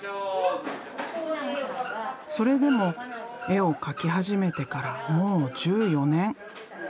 それでも絵を描き始めてからもう１４年。